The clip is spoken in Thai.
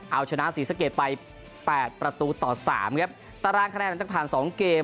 เอาชนะสีสะเกดไป๘ประตูต่อ๓ครับตารางคะแนนจากผ่าน๒เกม